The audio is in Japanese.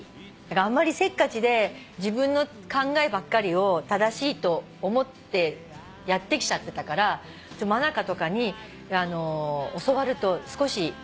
あんまりせっかちで自分の考えばっかりを正しいと思ってやってきちゃってたから真香とかに教わると少し落ち着く。